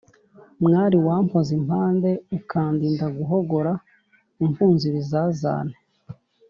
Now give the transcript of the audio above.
Mwari wampoze impande Ukandinda guhogora Umpunza ibizazane,